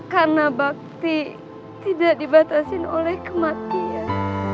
karena bakti tidak dibatasin oleh kematian